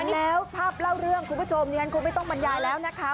แล้วภาพเล่าเรื่องคุณผู้ชมคงไม่ต้องบรรยายแล้วนะคะ